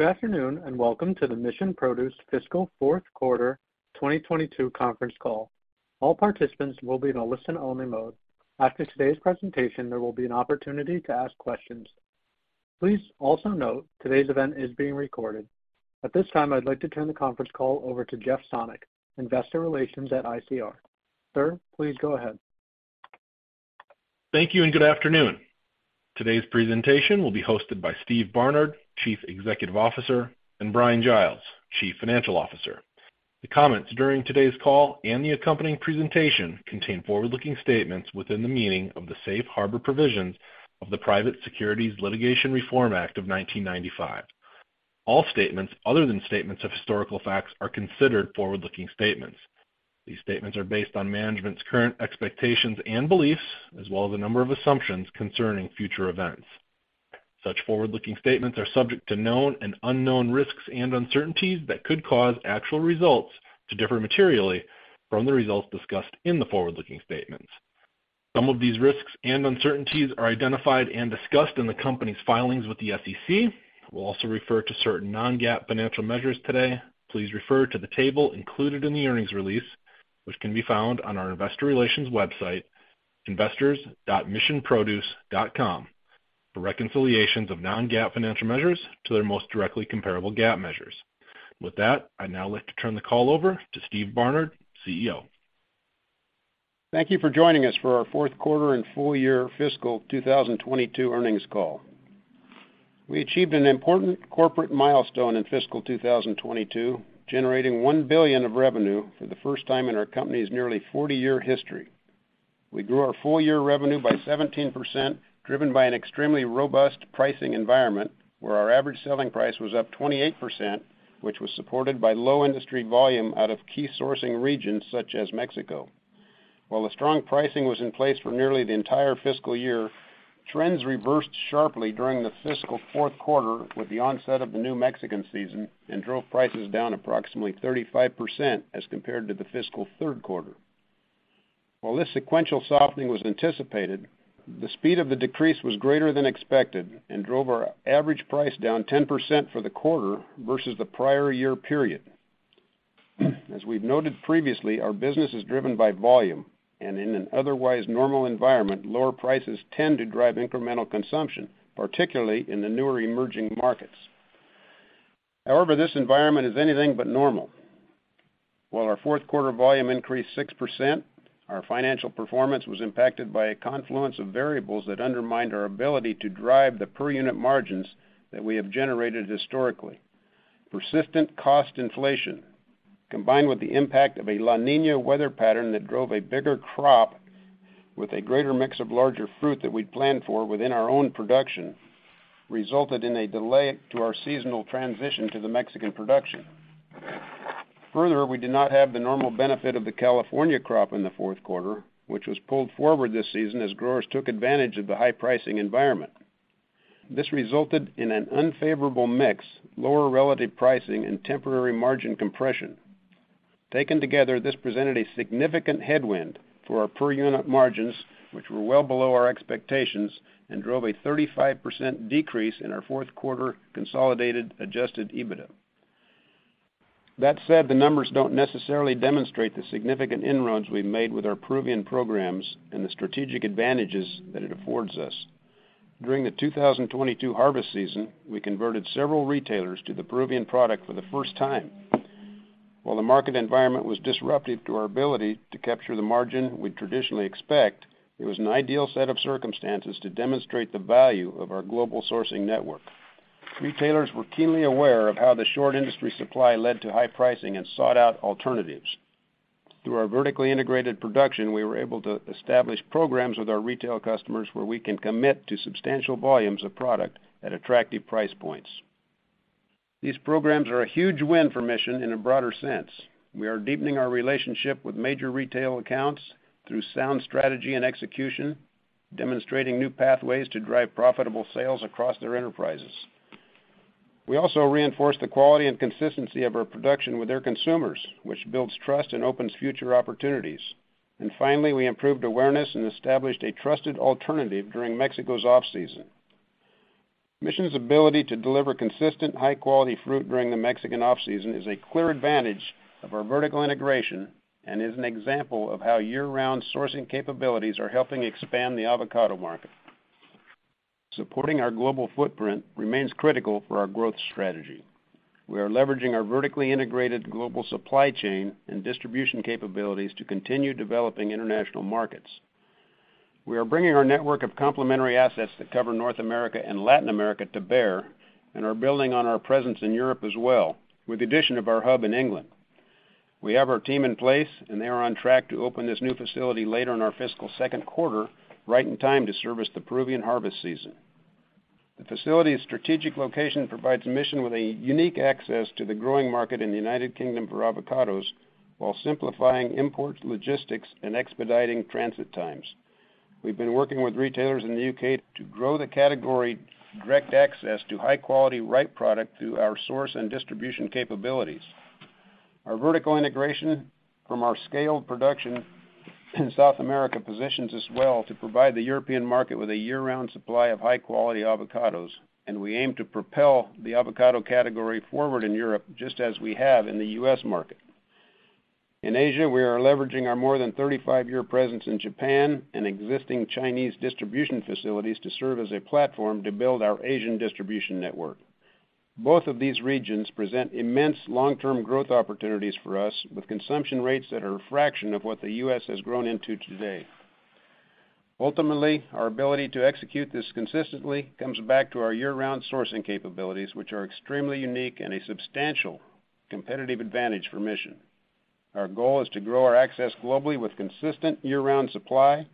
Good afternoon, and welcome to the Mission Produce fiscal fourth quarter 2022 conference call. All participants will be in a listen-only mode. After today's presentation, there will be an opportunity to ask questions. Please also note today's event is being recorded. At this time, I'd like to turn the conference call over to Jeff Sonnek, Investor Relations at ICR. Sir, please go ahead. Thank you, and good afternoon. Today's presentation will be hosted by Steve Barnard, Chief Executive Officer, and Bryan Giles, Chief Financial Officer. The comments during today's call and the accompanying presentation contain forward-looking statements within the meaning of the Safe Harbor Provisions of the Private Securities Litigation Reform Act of 1995. All statements other than statements of historical facts are considered forward-looking statements. These statements are based on management's current expectations and beliefs, as well as a number of assumptions concerning future events. Such forward-looking statements are subject to known and unknown risks and uncertainties that could cause actual results to differ materially from the results discussed in the forward-looking statements. Some of these risks and uncertainties are identified and discussed in the company's filings with the SEC. We'll also refer to certain non-GAAP financial measures today. Please refer to the table included in the earnings release, which can be found on our investor relations website, investors.missionproduce.com, for reconciliations of non-GAAP financial measures to their most directly comparable GAAP measures. With that, I'd now like to turn the call over to Steve Barnard, CEO. Thank you for joining us for our 4th quarter and full-year fiscal 2022 earnings call. We achieved an important corporate milestone in fiscal 2022, generating $1 billion of revenue for the first time in our company's nearly 40-year history. We grew our full-year revenue by 17%, driven by an extremely robust pricing environment, where our average selling price was up 28%, which was supported by low industry volume out of key sourcing regions such as Mexico. While the strong pricing was in place for nearly the entire fiscal year, trends reversed sharply during the fiscal 4th quarter with the onset of the new Mexican season and drove prices down approximately 35% as compared to the fiscal 3rd quarter. While this sequential softening was anticipated, the speed of the decrease was greater than expected and drove our average price down 10% for the quarter versus the prior year period. As we've noted previously, our business is driven by volume, in an otherwise normal environment, lower prices tend to drive incremental consumption, particularly in the newer emerging markets. However, this environment is anything but normal. While our fourth quarter volume increased 6%, our financial performance was impacted by a confluence of variables that undermined our ability to drive the per unit margins that we have generated historically. Persistent cost inflation, combined with the impact of a La Niña weather pattern that drove a bigger crop with a greater mix of larger fruit that we'd planned for within our own production, resulted in a delay to our seasonal transition to the Mexican production. Further, we did not have the normal benefit of the California crop in the fourth quarter, which was pulled forward this season as growers took advantage of the high pricing environment. This resulted in an unfavorable mix, lower relative pricing and temporary margin compression. Taken together, this presented a significant headwind for our per unit margins, which were well below our expectations and drove a 35% decrease in our fourth quarter consolidated Adjusted EBITDA. That said, the numbers don't necessarily demonstrate the significant inroads we've made with our Peruvian programs and the strategic advantages that it affords us. During the 2022 harvest season, we converted several retailers to the Peruvian product for the first time. While the market environment was disruptive to our ability to capture the margin we traditionally expect, it was an ideal set of circumstances to demonstrate the value of our global sourcing network. Retailers were keenly aware of how the short industry supply led to high pricing and sought out alternatives. Through our vertically integrated production, we were able to establish programs with our retail customers where we can commit to substantial volumes of product at attractive price points. These programs are a huge win for Mission in a broader sense. We are deepening our relationship with major retail accounts through sound strategy and execution, demonstrating new pathways to drive profitable sales across their enterprises. We also reinforce the quality and consistency of our production with their consumers, which builds trust and opens future opportunities. Finally, we improved awareness and established a trusted alternative during Mexico's off-season. Mission's ability to deliver consistent high-quality fruit during the Mexican off-season is a clear advantage of our vertical integration and is an example of how year-round sourcing capabilities are helping expand the avocado market. Supporting our global footprint remains critical for our growth strategy. We are leveraging our vertically integrated global supply chain and distribution capabilities to continue developing international markets. We are bringing our network of complementary assets that cover North America and Latin America to bear, and are building on our presence in Europe as well with the addition of our hub in England. We have our team in place, and they are on track to open this new facility later in our fiscal second quarter, right in time to service the Peruvian harvest season. The facility's strategic location provides Mission with a unique access to the growing market in the United Kingdom for avocados while simplifying import logistics and expediting transit times. We've been working with retailers in the U.K. to grow the category direct access to high-quality, ripe product through our source and distribution capabilities. Our vertical integration from our scaled production in South America positions us well to provide the European market with a year-round supply of high-quality avocados, and we aim to propel the avocado category forward in Europe just as we have in the U.S. market. In Asia, we are leveraging our more than 35-year presence in Japan and existing Chinese distribution facilities to serve as a platform to build our Asian distribution network. Both of these regions present immense long-term growth opportunities for us with consumption rates that are a fraction of what the U.S. has grown into today. Ultimately, our ability to execute this consistently comes back to our year-round sourcing capabilities, which are extremely unique and a substantial competitive advantage for Mission. Our goal is to grow our access globally with consistent year-round supply.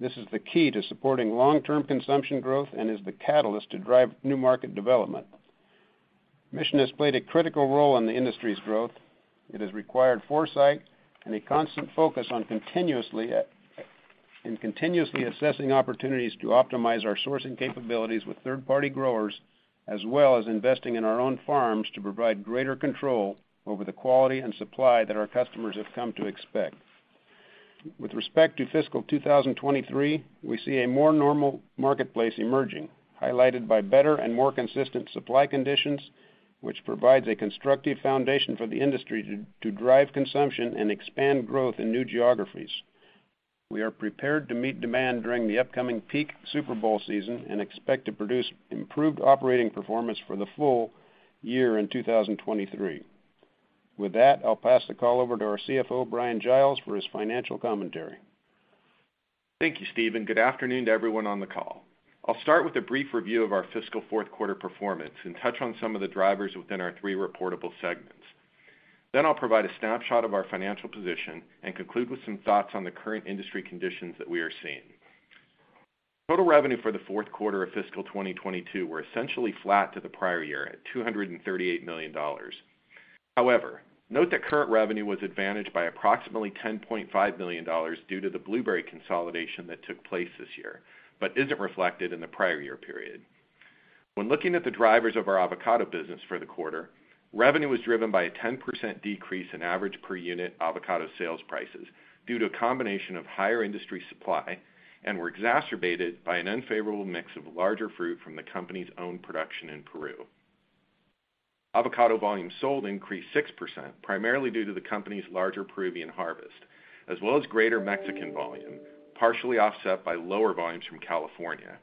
This is the key to supporting long-term consumption growth and is the catalyst to drive new market development. Mission has played a critical role in the industry's growth. It has required foresight and a constant focus on continuously and continuously assessing opportunities to optimize our sourcing capabilities with third-party growers, as well as investing in our own farms to provide greater control over the quality and supply that our customers have come to expect. With respect to fiscal 2023, we see a more normal marketplace emerging, highlighted by better and more consistent supply conditions, which provides a constructive foundation for the industry to drive consumption and expand growth in new geographies. We are prepared to meet demand during the upcoming peak Super Bowl season and expect to produce improved operating performance for the full year in 2023. With that, I'll pass the call over to our CFO, Bryan Giles, for his financial commentary. Thank you, Steve, and good afternoon to everyone on the call. I'll start with a brief review of our fiscal fourth quarter performance and touch on some of the drivers within our three reportable segments. I'll provide a snapshot of our financial position and conclude with some thoughts on the current industry conditions that we are seeing. Total revenue for the fourth quarter of fiscal 2022 were essentially flat to the prior year at $238 million. However, note that current revenue was advantaged by approximately $10.5 million due to the blueberry consolidation that took place this year, but isn't reflected in the prior year period. When looking at the drivers of our avocado business for the quarter, revenue was driven by a 10% decrease in average per unit avocado sales prices due to a combination of higher industry supply and were exacerbated by an unfavorable mix of larger fruit from the company's own production in Peru. Avocado volume sold increased 6%, primarily due to the company's larger Peruvian harvest, as well as greater Mexican volume, partially offset by lower volumes from California.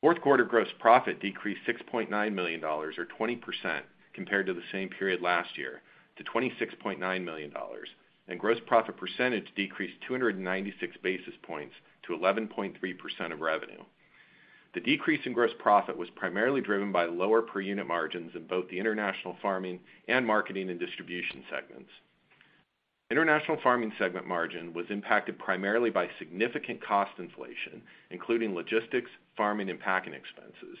Fourth quarter gross profit decreased $6.9 million or 20% compared to the same period last year to $26.9 million, and gross profit percentage decreased 296 basis points to 11.3% of revenue. The decrease in gross profit was primarily driven by lower per unit margins in both the International Farming and Marketing & Distribution segments. International Farming segment margin was impacted primarily by significant cost inflation, including logistics, farming, and packing expenses.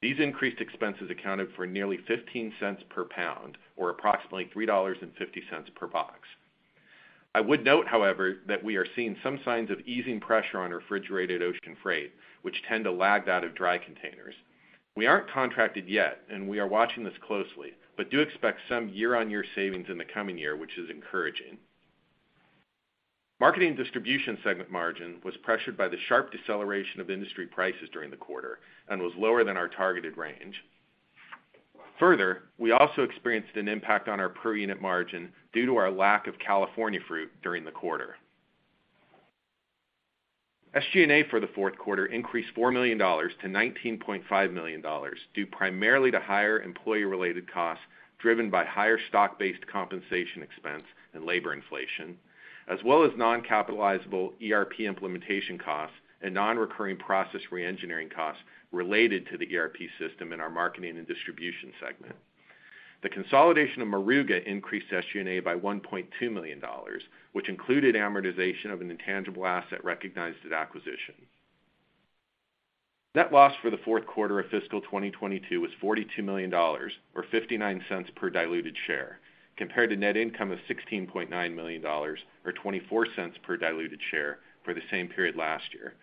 These increased expenses accounted for nearly $0.15 per pound or approximately $3.50 per box. I would note, however, that we are seeing some signs of easing pressure on refrigerated ocean freight, which tend to lag that of dry containers. We aren't contracted yet, and we are watching this closely, but do expect some year-on-year savings in the coming year, which is encouraging. Marketing & Distribution segment margin was pressured by the sharp deceleration of industry prices during the quarter and was lower than our targeted range. Further, we also experienced an impact on our per unit margin due to our lack of California fruit during the quarter. SG&A for the fourth quarter increased $4 million-$19.5 million, due primarily to higher employee-related costs driven by higher stock-based compensation expense and labor inflation, as well as non-capitalizable ERP implementation costs and non-recurring process reengineering costs related to the ERP system in our Marketing & Distribution segment. The consolidation of Moruga increased SG&A by $1.2 million, which included amortization of an intangible asset recognized at acquisition. Net loss for the fourth quarter of fiscal 2022 was $42 million or $0.59 per diluted share, compared to net income of $16.9 million or $0.24 per diluted share for the same period last year.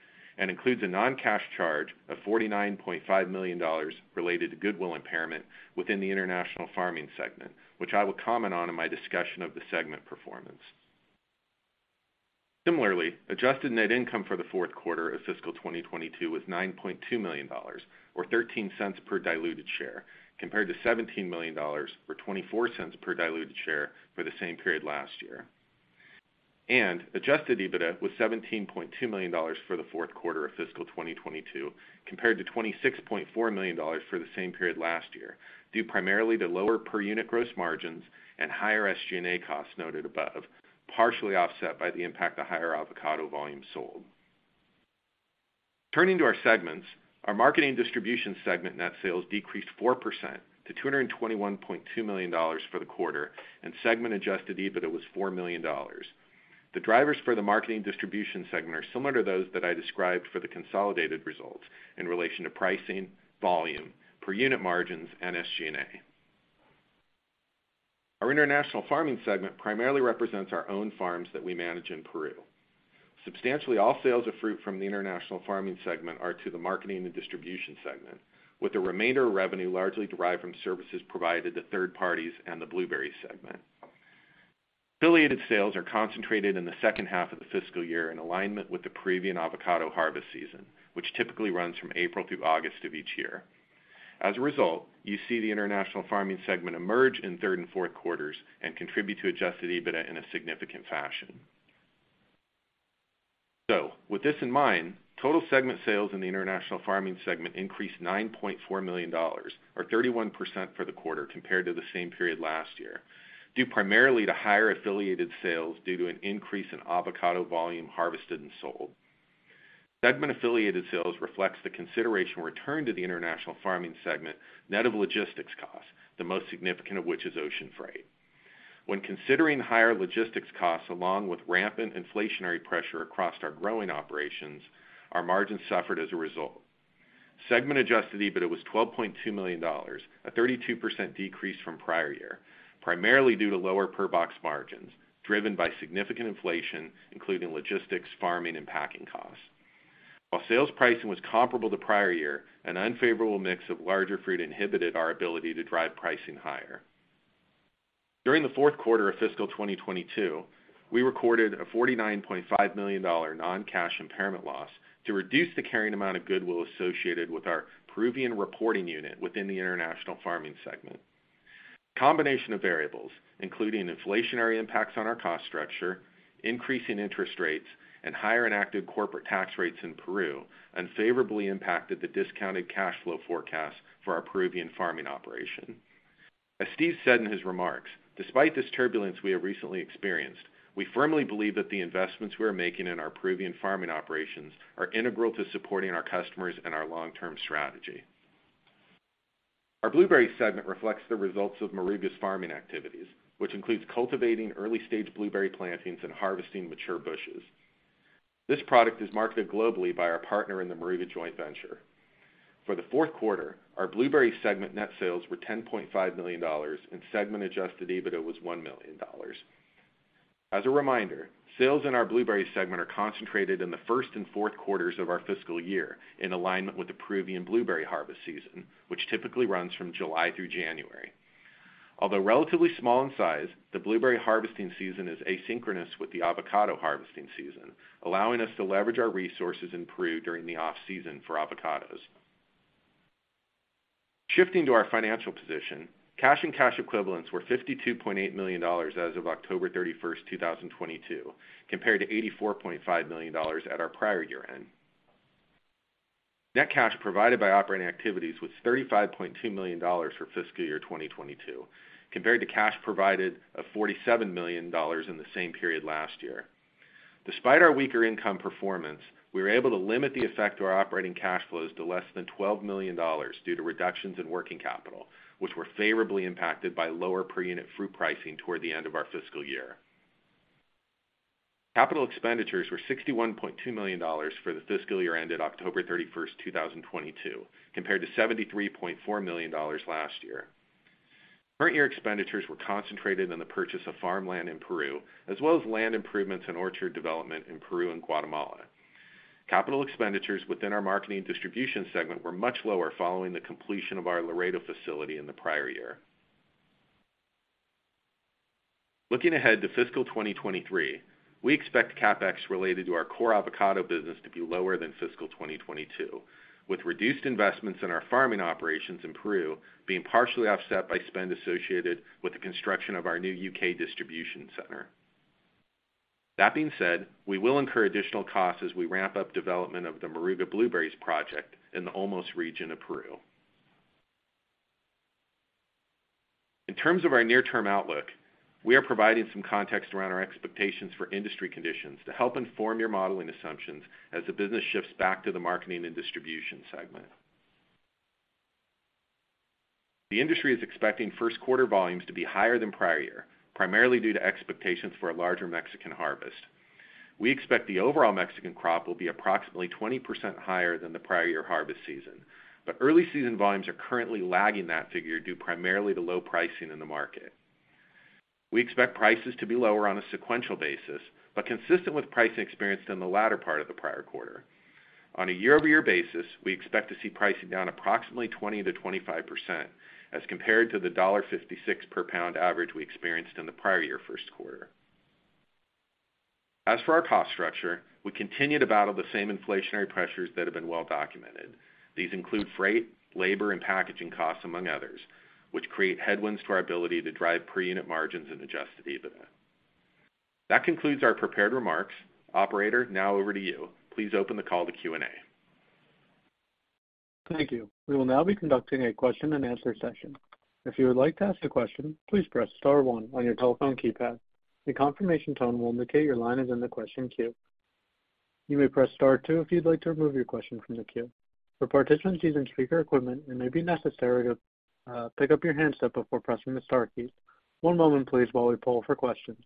Includes a non-cash charge of $49.5 million related to goodwill impairment within the International Farming segment, which I will comment on in my discussion of the segment performance. Similarly, adjusted net income for the fourth quarter of fiscal 2022 was $9.2 million or $0.13 per diluted share, compared to $17 million or $0.24 per diluted share for the same period last year. Adjusted EBITDA was $17.2 million for the fourth quarter of fiscal 2022, compared to $26.4 million for the same period last year, due primarily to lower per unit gross margins and higher SG&A costs noted above, partially offset by the impact of higher avocado volume sold. Turning to our segments, our Marketing & Distribution segment net sales decreased 4% to $221.2 million for the quarter, and segment Adjusted EBITDA was $4 million. The drivers for the Marketing & Distribution segment are similar to those that I described for the consolidated results in relation to pricing, volume, per unit margins, and SG&A. Our International Farming segment primarily represents our own farms that we manage in Peru. Substantially all sales of fruit from the International Farming segment are to the Marketing & Distribution segment, with the remainder revenue largely derived from services provided to third parties and the Blueberries segment. Affiliated sales are concentrated in the second half of the fiscal year in alignment with the Peruvian avocado harvest season, which typically runs from April through August of each year. As a result, you see the International Farming segment emerge in third and fourth quarters and contribute to Adjusted EBITDA in a significant fashion. With this in mind, total segment sales in the International Farming segment increased $9.4 million, or 31% for the quarter compared to the same period last year, due primarily to higher affiliated sales due to an increase in avocado volume harvested and sold. Segment affiliated sales reflects the consideration returned to the International Farming segment net of logistics costs, the most significant of which is ocean freight. When considering higher logistics costs along with rampant inflationary pressure across our growing operations, our margins suffered as a result. Segment Adjusted EBITDA was $12.2 million, a 32% decrease from prior year, primarily due to lower per box margins driven by significant inflation, including logistics, farming, and packing costs. While sales pricing was comparable to prior year, an unfavorable mix of larger fruit inhibited our ability to drive pricing higher. During the 4th quarter of fiscal 2022, we recorded a $49.5 million non-cash impairment loss to reduce the carrying amount of goodwill associated with our Peruvian reporting unit within the International Farming segment. Combination of variables, including inflationary impacts on our cost structure, increasing interest rates, and higher enacted corporate tax rates in Peru unfavorably impacted the discounted cash flow forecast for our Peruvian farming operation. As Steve said in his remarks, despite this turbulence we have recently experienced, we firmly believe that the investments we are making in our Peruvian farming operations are integral to supporting our customers and our long-term strategy. Our Blueberries segment reflects the results of Moruga's farming activities, which includes cultivating early-stage blueberry plantings and harvesting mature bushes. This product is marketed globally by our partner in the Moruga joint venture. For the fourth quarter, our Blueberries segment net sales were $10.5 million and segment Adjusted EBITDA was $1 million. As a reminder, sales in our Blueberries segment are concentrated in the first and fourth quarters of our fiscal year in alignment with the Peruvian blueberry harvest season, which typically runs from July through January. Although relatively small in size, the blueberry harvesting season is asynchronous with the avocado harvesting season, allowing us to leverage our resources in Peru during the off-season for avocados. Shifting to our financial position, cash and cash equivalents were $52.8 million as of October 31, 2022, compared to $84.5 million at our prior year end. Net cash provided by operating activities was $35.2 million for fiscal year 2022, compared to cash provided of $47 million in the same period last year. Despite our weaker income performance, we were able to limit the effect to our operating cash flows to less than $12 million due to reductions in working capital, which were favorably impacted by lower per unit fruit pricing toward the end of our fiscal year. Capital expenditures were $61.2 million for the fiscal year ended October 31st, 2022, compared to $73.4 million last year. Current year expenditures were concentrated on the purchase of farmland in Peru, as well as land improvements in orchard development in Peru and Guatemala. Capital expenditures within our Marketing & Distribution segment were much lower following the completion of our Laredo facility in the prior year. Looking ahead to fiscal 2023, we expect CapEx related to our core avocado business to be lower than fiscal 2022, with reduced investments in our farming operations in Peru being partially offset by spend associated with the construction of our new U.K. distribution center. That being said, we will incur additional costs as we ramp up development of the Moruga Blueberries project in the Olmos region of Peru. In terms of our near-term outlook, we are providing some context around our expectations for industry conditions to help inform your modeling assumptions as the business shifts back to the Marketing & Distribution segment. The industry is expecting first quarter volumes to be higher than prior year, primarily due to expectations for a larger Mexican harvest. We expect the overall Mexican crop will be approximately 20% higher than the prior year harvest season, but early season volumes are currently lagging that figure due primarily to low pricing in the market. We expect prices to be lower on a sequential basis, but consistent with pricing experienced in the latter part of the prior quarter. On a year-over-year basis, we expect to see pricing down approximately 20%-25% as compared to the $1.56 per pound average we experienced in the prior year first quarter. As for our cost structure, we continue to battle the same inflationary pressures that have been well documented. These include freight, labor, and packaging costs among others, which create headwinds to our ability to drive per unit margins and adjust to EBITDA. That concludes our prepared remarks. Operator, now over to you. Please open the call to Q&A. Thank you. We will now be conducting a question-and-answer session. If you would like to ask a question, please press star one on your telephone keypad. A confirmation tone will indicate your line is in the question queue. You may press star two if you'd like to remove your question from the queue. For participants using speaker equipment, it may be necessary to pick up your handset before pressing the star key. One moment please while we poll for questions.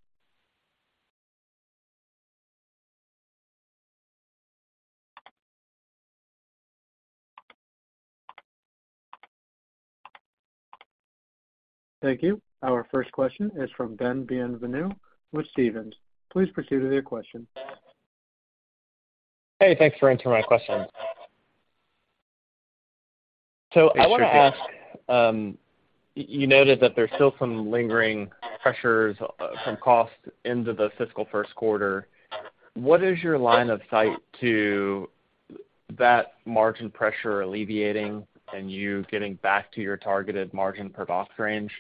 Thank you. Our first question is from Ben Bienvenu with Stephens. Please proceed with your question. Hey, thanks for answering my question. I want to ask, you noted that there's still some lingering pressures from cost into the fiscal first quarter. What is your line of sight to that margin pressure alleviating and you getting back to your targeted margin per box range?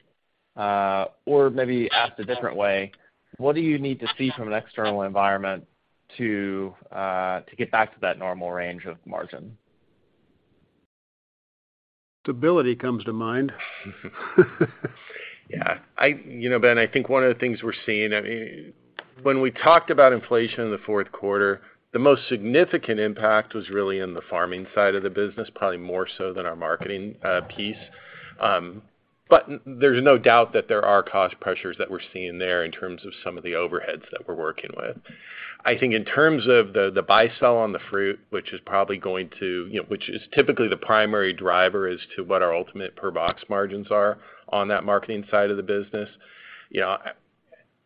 Or maybe asked a different way, what do you need to see from an external environment to get back to that normal range of margin? Stability comes to mind. Yeah. You know, Ben, I think one of the things we're seeing... I mean, when we talked about inflation in the fourth quarter, the most significant impact was really in the farming side of the business, probably more so than our marketing piece. There's no doubt that there are cost pressures that we're seeing there in terms of some of the overheads that we're working with. I think in terms of the buy, sell on the fruit, which is probably going to, you know, which is typically the primary driver as to what our ultimate per box margins are on that marketing side of the business. You know,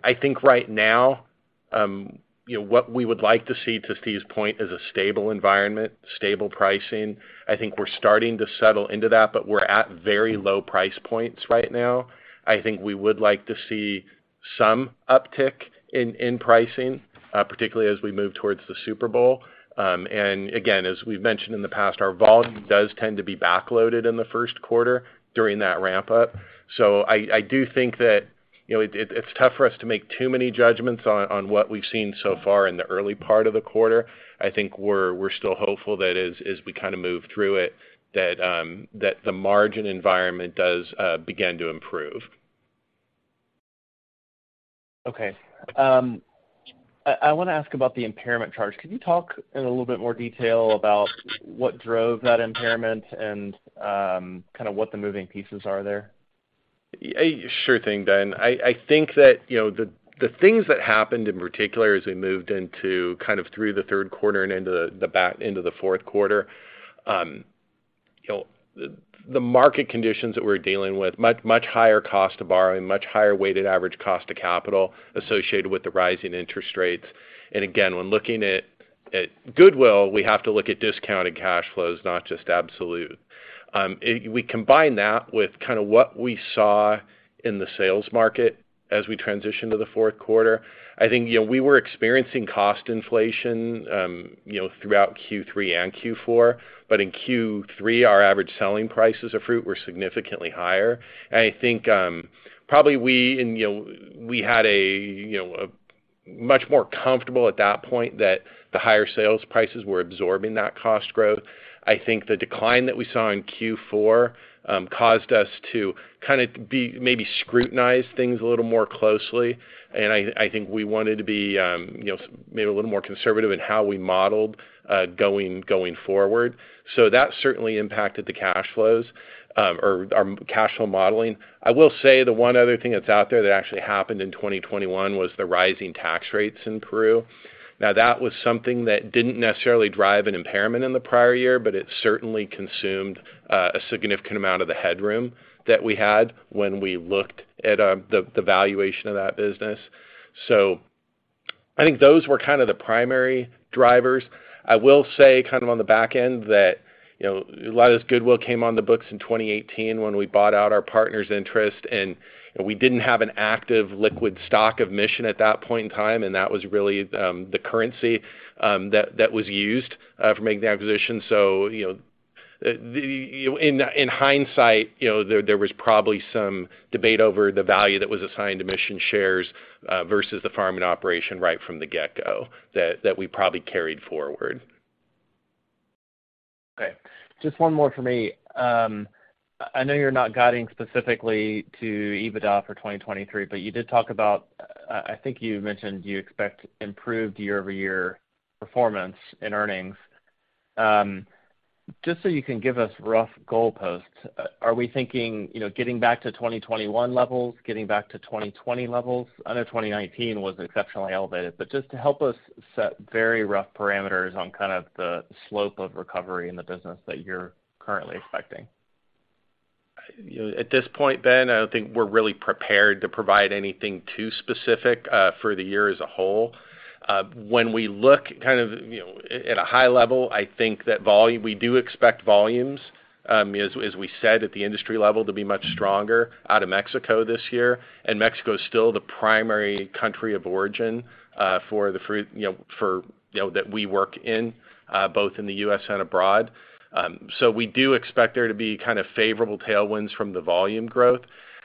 I think right now, you know, what we would like to see, to Steve's point, is a stable environment, stable pricing. I think we're starting to settle into that, but we're at very low price points right now. I think we would like to see some uptick in pricing, particularly as we move towards the Super Bowl. Again, as we've mentioned in the past, our volume does tend to be backloaded in the first quarter during that ramp up. I do think that, you know, it's tough for us to make too many judgments on what we've seen so far in the early part of the quarter. I think we're still hopeful that as we kind of move through it, that the margin environment does begin to improve. I wanna ask about the impairment charge. Could you talk in a little bit more detail about what drove that impairment and, kind of what the moving pieces are there? Sure thing, Ben. I think that, you know, the things that happened in particular as we moved into kind of through the third quarter and into the fourth quarter, you know, the market conditions that we're dealing with much higher cost of borrowing, much higher weighted average cost of capital associated with the rising interest rates. Again, when looking at goodwill, we have to look at discounted cash flows, not just absolute. We combine that with kind of what we saw in the sales market as we transition to the fourth quarter. I think, you know, we were experiencing cost inflation, you know, throughout Q3 and Q4, but in Q3, our average selling prices of fruit were significantly higher. I think, probably we had much more comfortable at that point that the higher sales prices were absorbing that cost growth. I think the decline that we saw in Q4 caused us to maybe scrutinize things a little more closely. I think we wanted to be maybe a little more conservative in how we modeled going forward. That certainly impacted the cash flows or our cash flow modeling. I will say the one other thing that's out there that actually happened in 2021 was the rising tax rates in Peru. That was something that didn't necessarily drive an impairment in the prior year, but it certainly consumed a significant amount of the headroom that we had when we looked at the valuation of that business. I think those were kind of the primary drivers. I will say kind of on the back end that, you know, a lot of this goodwill came on the books in 2018 when we bought out our partner's interest, and we didn't have an active liquid stock of Mission at that point in time, and that was really the currency that was used for making the acquisition. You know, in hindsight, you know, there was probably some debate over the value that was assigned to Mission shares versus the farming operation right from the get-go that we probably carried forward. Just one more for me. I know you're not guiding specifically to EBITDA for 2023, but I think you mentioned you expect improved year-over-year performance in earnings. Just so you can give us rough goalposts, are we thinking, you know, getting back to 2021 levels, getting back to 2020 levels? I know 2019 was exceptionally elevated, but just to help us set very rough parameters on kind of the slope of recovery in the business that you're currently expecting. You know, at this point, Ben, I don't think we're really prepared to provide anything too specific for the year as a whole. When we look kind of, you know, at a high level, I think that we do expect volumes, as we said, at the industry level to be much stronger out of Mexico this year. Mexico is still the primary country of origin for the fruit, you know, for, you know, that we work in, both in the U.S. and abroad. So we do expect there to be kind of favorable tailwinds from the volume growth.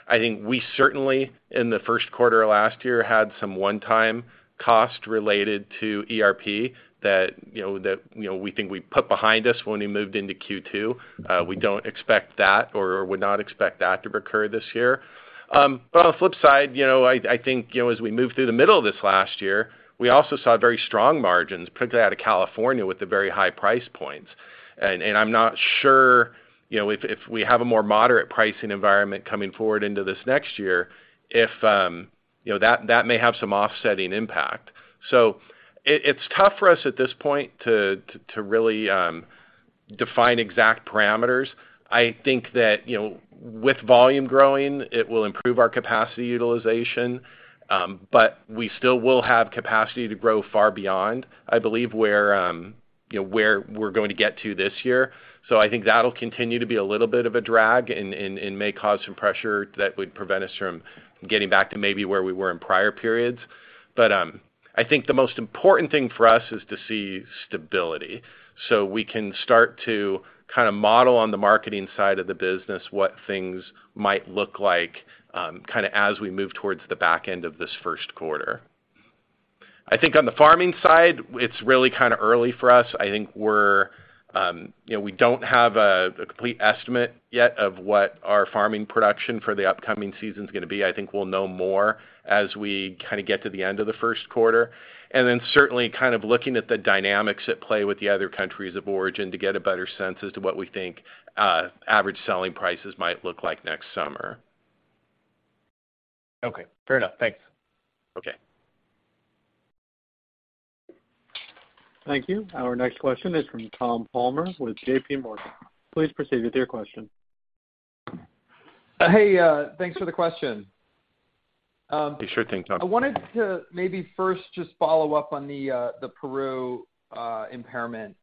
I think we certainly, in the first quarter of last year, had some one-time cost related to ERP that, you know, we think we put behind us when we moved into Q2. We don't expect that or would not expect that to recur this year. On the flip side, you know, I think, you know, as we moved through the middle of this last year, we also saw very strong margins, particularly out of California with the very high price points. I'm not sure, you know, if we have a more moderate pricing environment coming forward into this next year, if you know, that may have some offsetting impact. It's tough for us at this point to really define exact parameters. I think that, you know, with volume growing, it will improve our capacity utilization, but we still will have capacity to grow far beyond, I believe where, you know, where we're going to get to this year. I think that'll continue to be a little bit of a drag and may cause some pressure that would prevent us from getting back to maybe where we were in prior periods. I think the most important thing for us is to see stability so we can start to kind of model on the marketing side of the business what things might look like, kind of as we move towards the back end of this first quarter. I think on the farming side, it's really kind of early for us. I think we're, you know, we don't have a complete estimate yet of what our farming production for the upcoming season is gonna be. I think we'll know more as we kind of get to the end of the first quarter. Then certainly kind of looking at the dynamics at play with the other countries of origin to get a better sense as to what we think average selling prices might look like next summer. Okay, fair enough. Thanks. Okay. Thank you. Our next question is from Tom Palmer with JPMorgan. Please proceed with your question. Hey, thanks for the question. You sure thing, Tom. I wanted to maybe first just follow up on the Peru impairment.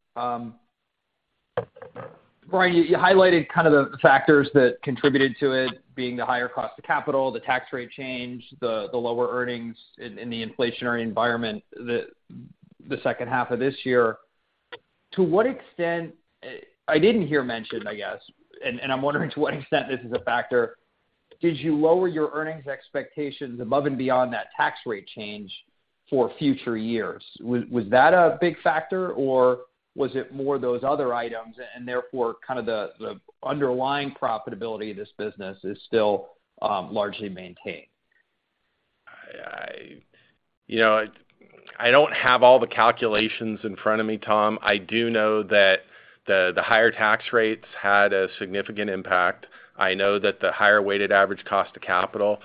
Bryan, you highlighted kind of the factors that contributed to it being the higher cost of capital, the tax rate change, the lower earnings in the inflationary environment the second half of this year. To what extent, I didn't hear mentioned, I guess, and I'm wondering to what extent this is a factor, did you lower your earnings expectations above and beyond that tax rate change for future years? Was that a big factor, or was it more those other items and therefore kind of the underlying profitability of this business is still largely maintained? I, you know, I don't have all the calculations in front of me, Tom. I do know that the higher tax rates had a significant impact. I know that the higher weighted average cost of capital,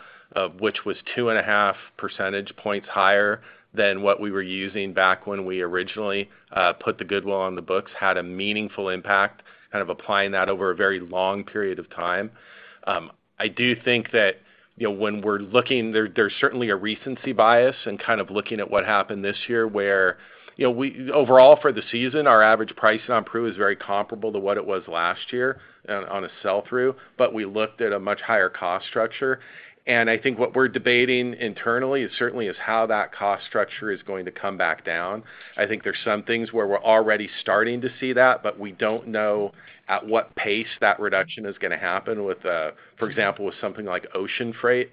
which was 2.5 percentage points higher than what we were using back when we originally put the goodwill on the books, had a meaningful impact, kind of applying that over a very long period of time. I do think that, you know, when we're looking, there's certainly a recency bias and kind of looking at what happened this year where, you know, overall for the season, our average price on Peru is very comparable to what it was last year on a sell through, but we looked at a much higher cost structure. I think what we're debating internally certainly is how that cost structure is going to come back down. I think there's some things where we're already starting to see that, but we don't know at what pace that reduction is gonna happen with, for example, with something like ocean freight.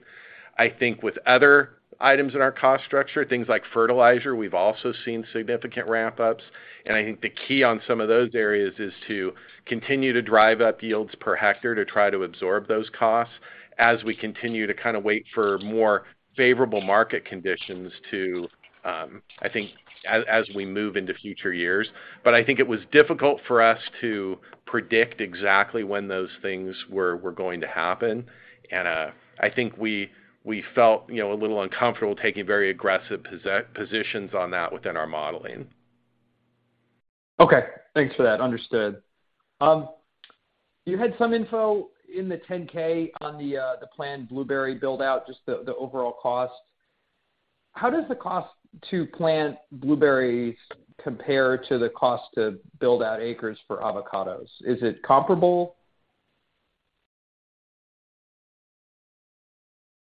I think with other items in our cost structure, things like fertilizer, we've also seen significant ramp-ups. I think the key on some of those areas is to continue to drive up yields per hectare to try to absorb those costs as we continue to kind of wait for more favorable market conditions to, I think as we move into future years. I think it was difficult for us to predict exactly when those things were going to happen. I think we felt, you know, a little uncomfortable taking very aggressive positions on that within our modeling. Okay. Thanks for that. Understood. You had some info in the 10-K on the planned blueberry build-out, just the overall cost. How does the cost to plant blueberries compare to the cost to build out acres for avocados? Is it comparable?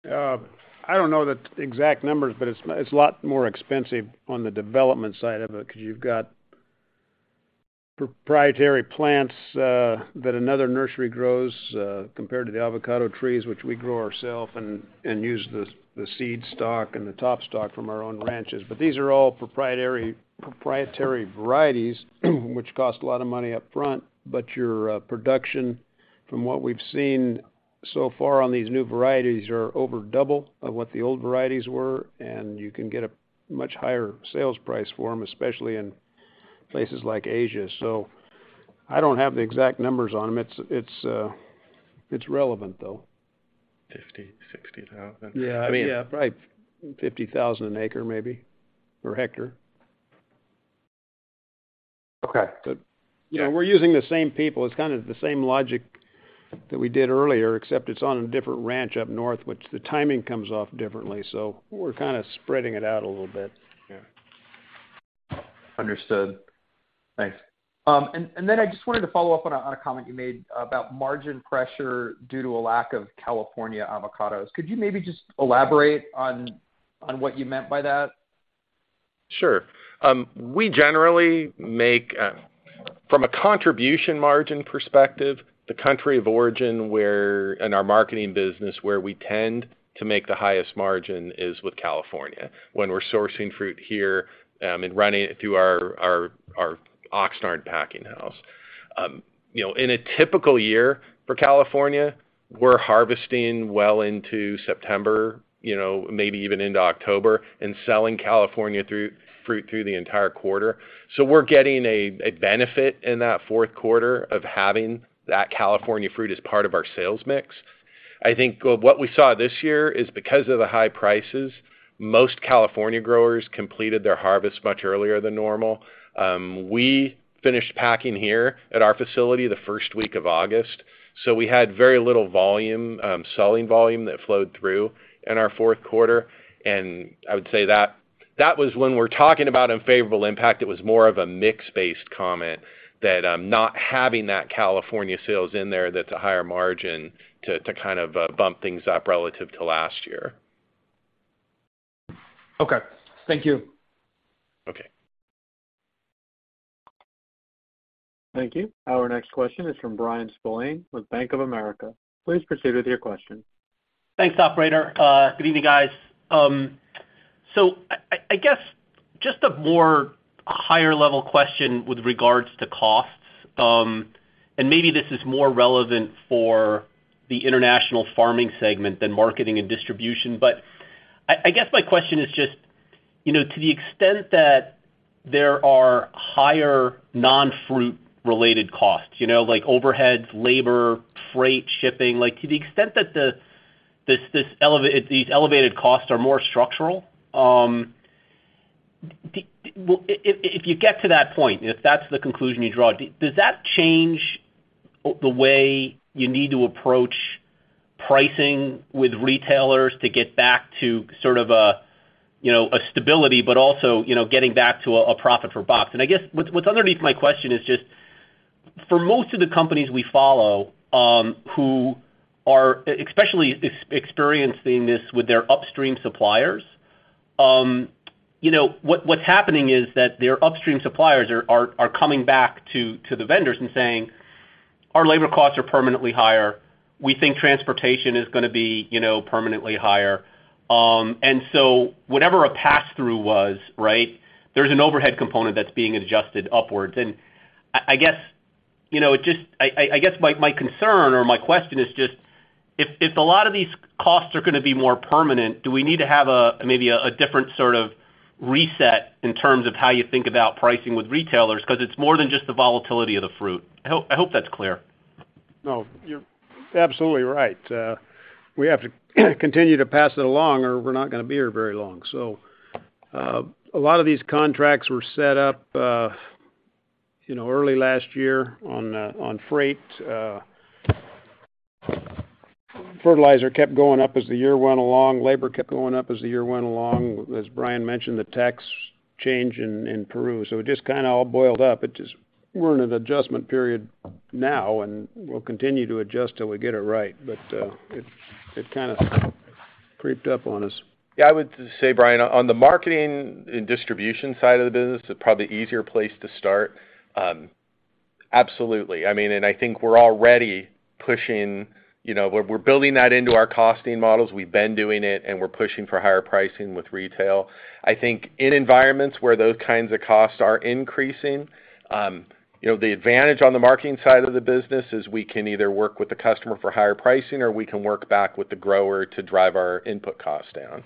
I don't know the exact numbers, but it's a lot more expensive on the development side of it because you've got proprietary plants that another nursery grows compared to the avocado trees, which we grow ourselves and use the seed stock and the top stock from our own ranches. These are all proprietary varieties which cost a lot of money up front. Your production, from what we've seen so far on these new varieties, are over double of what the old varieties were, and you can get a much higher sales price for them, especially in places like Asia. I don't have the exact numbers on them. It's relevant, though. $50, $60,000. Yeah. Yeah. Probably $50,000 an acre maybe, or hectare. Okay. You know, we're using the same people. It's kind of the same logic that we did earlier, except it's on a different ranch up north, which the timing comes off differently. We're kind of spreading it out a little bit. Yeah. Understood. Thanks. Then I just wanted to follow up on a comment you made about margin pressure due to a lack of California avocados. Could you maybe just elaborate on what you meant by that? Sure. We generally make, from a contribution margin perspective, the country of origin where, in our marketing business, we tend to make the highest margin is with California when we're sourcing fruit here and running it through our Oxnard packing house. You know, in a typical year for California, we're harvesting well into September, you know, maybe even into October and selling California fruit through the entire quarter. We're getting a benefit in that fourth quarter of having that California fruit as part of our sales mix. I think what we saw this year is because of the high prices, most California growers completed their harvest much earlier than normal. We finished packing here at our facility the first week of August. We had very little volume, selling volume that flowed through in our fourth quarter. I would say that was when we're talking about unfavorable impact, it was more of a mix-based comment that, not having that California sales in there, that's a higher margin to kind of bump things up relative to last year. Okay. Thank you. Okay. Thank you. Our next question is from Bryan Spillane with Bank of America. Please proceed with your question. Thanks, operator. Good evening, guys. I guess just a more higher-level question with regards to costs, and maybe this is more relevant for the International Farming segment than Marketing & Distribution. I guess my question is just, you know, to the extent that there are higher non-fruit related costs, you know, like overheads, labor, freight, shipping, like to the extent that these elevated costs are more structural, if you get to that point, if that's the conclusion you draw, does that change the way you need to approach pricing with retailers to get back to sort of a, you know, a stability, but also, you know, getting back to a profit per box? I guess what's underneath my question is just for most of the companies we follow, who are especially experiencing this with their upstream suppliers, you know, what's happening is that their upstream suppliers are coming back to the vendors and saying, "Our labor costs are permanently higher. We think transportation is gonna be, you know, permanently higher." Whatever a passthrough was, right? There's an overhead component that's being adjusted upwards. I guess, you know, just I guess my concern or my question is just if a lot of these costs are gonna be more permanent, do we need to have a, maybe a different sort of reset in terms of how you think about pricing with retailers 'cause it's more than just the volatility of the fruit? I hope that's clear. No, you're absolutely right. We have to continue to pass it along, or we're not gonna be here very long. A lot of these contracts were set up, you know, early last year on freight. Fertilizer kept going up as the year went along. Labor kept going up as the year went along. As Bryan Giles mentioned, the tax change in Peru. It just kinda all boiled up. We're in an adjustment period now, and we'll continue to adjust till we get it right. It, it kinda creeped up on us. Yeah, I would say, Bryan, on the Marketing & Distribution side of the business, the probably easier place to start, absolutely. I mean, and I think we're already pushing, you know, we're building that into our costing models. We've been doing it, and we're pushing for higher pricing with retail. I think in environments where those kinds of costs are increasing, you know, the advantage on the marketing side of the business is we can either work with the customer for higher pricing or we can work back with the grower to drive our input costs down.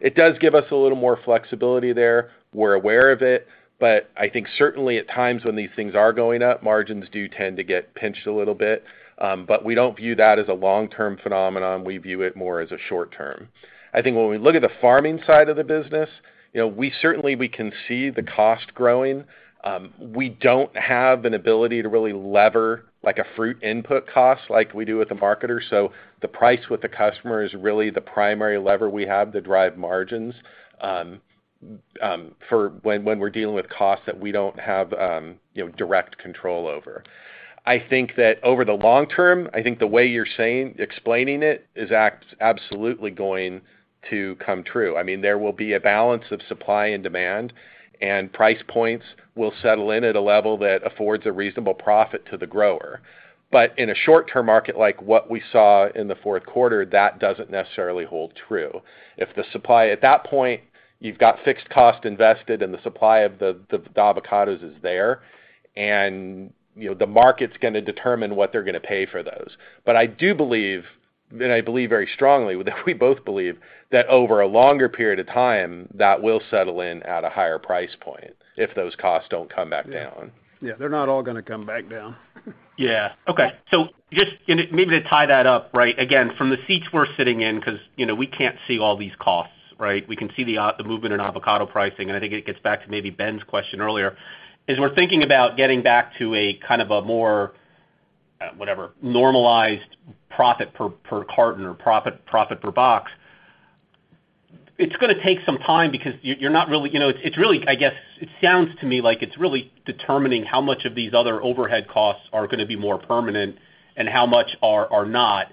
It does give us a little more flexibility there. We're aware of it, but I think certainly at times when these things are going up, margins do tend to get pinched a little bit. We don't view that as a long-term phenomenon. We view it more as a short term. I think when we look at the farming side of the business, you know, we certainly, we can see the cost growing. We don't have an ability to really lever like a fruit input cost like we do with the marketer. The price with the customer is really the primary lever we have to drive margins for when we're dealing with costs that we don't have, you know, direct control over. I think that over the long term, I think the way you're explaining it is absolutely going to come true. I mean, there will be a balance of supply and demand, and price points will settle in at a level that affords a reasonable profit to the grower. In a short-term market like what we saw in the fourth quarter, that doesn't necessarily hold true. If at that point, you've got fixed cost invested and the supply of the avocados is there, and, you know, the market's gonna determine what they're gonna pay for those. I do believe, and I believe very strongly, that we both believe that over a longer period of time, that will settle in at a higher price point if those costs don't come back down. Yeah. Yeah, they're not all gonna come back down. Just, and maybe to tie that up, right? Again, from the seats we're sitting in because, you know, we can't see all these costs, right? We can see the movement in avocado pricing, and I think it gets back to maybe Ben's question earlier. As we're thinking about getting back to a kind of a more, whatever, normalized profit per carton or profit per box, it's gonna take some time because you're not really. You know, it's really, I guess it sounds to me like it's really determining how much of these other overhead costs are gonna be more permanent and how much are not.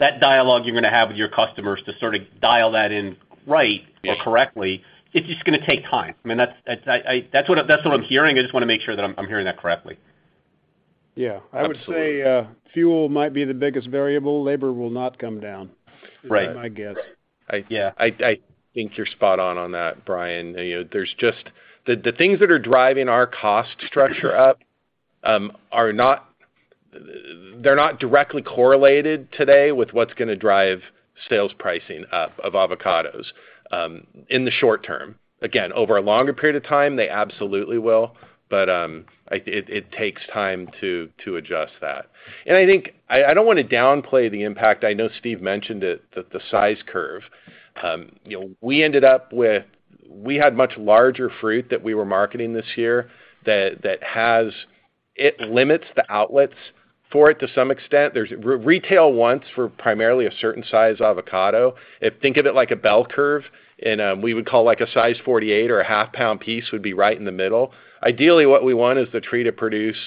That dialogue you're gonna have with your customers to sort of dial that in right or correctly, it's just gonna take time. I mean, that's, I. That's what I'm hearing. I just wanna make sure that I'm hearing that correctly. Yeah. Absolutely. I would say, fuel might be the biggest variable. Labor will not come down. Right. Is my guess. I, yeah, I think you're spot on that, Bryan. You know, the things that are driving our cost structure up, they're not directly correlated today with what's gonna drive sales pricing up of avocados in the short term. Again, over a longer period of time, they absolutely will. It takes time to adjust that. I think I don't wanna downplay the impact. I know Steve mentioned it, the size curve. You know, we had much larger fruit that we were marketing this year that it limits the outlets for it to some extent. Retail wants for primarily a certain size avocado. Think of it like a bell curve, and we would call like a size 48 or a 0.5 pound piece would be right in the middle. Ideally, what we want is the tree to produce,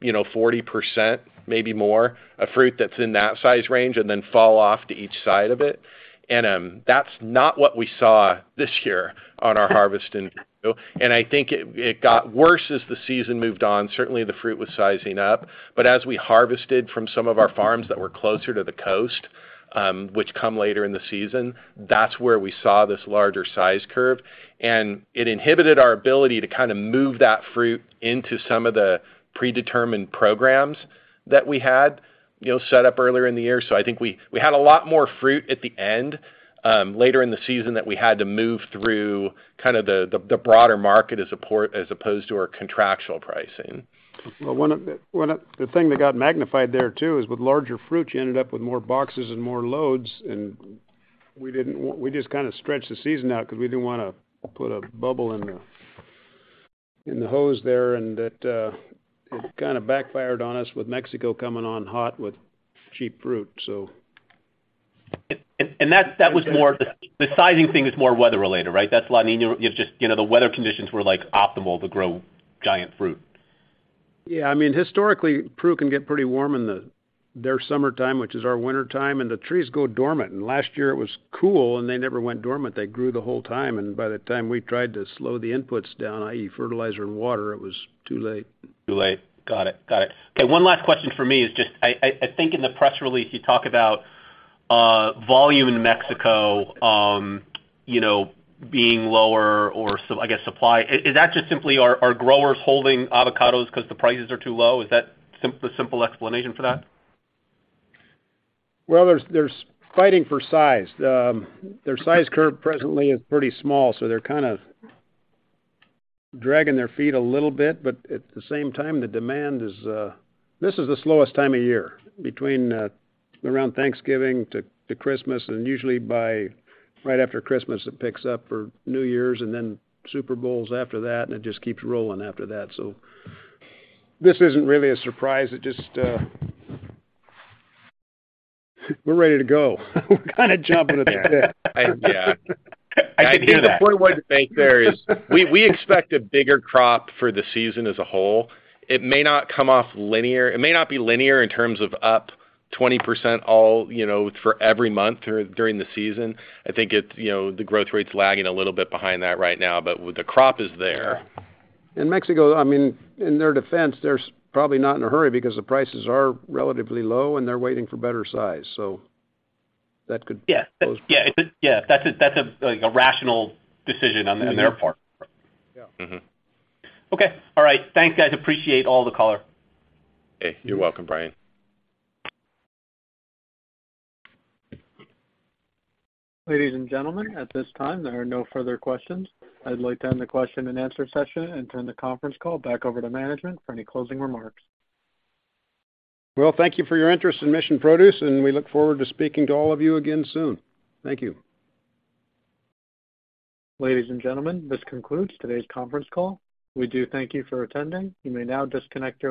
you know, 40%, maybe more, of fruit that's in that size range and then fall off to each side of it. That's not what we saw this year on our harvest. I think it got worse as the season moved on. Certainly, the fruit was sizing up. As we harvested from some of our farms that were closer to the coast, which come later in the season, that's where we saw this larger size curve. It inhibited our ability to kind of move that fruit into some of the predetermined programs that we had, you know, set up earlier in the year. I think we had a lot more fruit at the end, later in the season that we had to move through kind of the broader market as opposed to our contractual pricing. Well, the thing that got magnified there too is with larger fruit, you ended up with more boxes and more loads, we just kinda stretched the season out 'cause we didn't wanna put a bubble in the, in the hose there. That kinda backfired on us with Mexico coming on hot with cheap fruit. So. That's, the sizing thing is more weather-related, right? That's La Niña. It's just, you know, the weather conditions were, like, optimal to grow giant fruit. Yeah. I mean, historically, Peru can get pretty warm in their summertime, which is our wintertime, and the trees go dormant. Last year it was cool, and they never went dormant. They grew the whole time, and by the time we tried to slow the inputs down, i.e., fertilizer and water, it was too late. Too late. Got it. Got it. Okay, one last question from me is just I think in the press release you talk about volume in Mexico, you know, being lower or I guess, supply. Is that just simply are growers holding avocados 'cause the prices are too low? Is that the simple explanation for that? There's fighting for size. Their size curve presently is pretty small, so they're kind of dragging their feet a little bit. At the same time, the demand is. This is the slowest time of year, between around Thanksgiving to Christmas, and usually by right after Christmas it picks up for New Year's, and then Super Bowl's after that, and it just keeps rolling after that. This isn't really a surprise. It just. We're ready to go. We're kinda jumping in there. Yeah. I can hear that. The important point to make there is we expect a bigger crop for the season as a whole. It may not come off linear. It may not be linear in terms of up 20% all, you know, for every month during the season. I think it's, you know, the growth rate's lagging a little bit behind that right now, but the crop is there. In Mexico, I mean, in their defense, they're probably not in a hurry because the prices are relatively low, and they're waiting for better size. That could- Yeah. Yeah, that's a, like, a rational decision on their part. Yeah. Okay. All right. Thanks, guys. Appreciate all the color. You're welcome, Bryan. Ladies and gentlemen, at this time, there are no further questions. I'd like to end the question and answer session and turn the conference call back over to management for any closing remarks. Well, thank you for your interest in Mission Produce, and we look forward to speaking to all of you again soon. Thank you. Ladies and gentlemen, this concludes today's conference call. We do thank you for attending. You may now disconnect.